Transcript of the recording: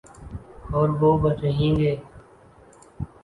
اوروہ رہیں گے۔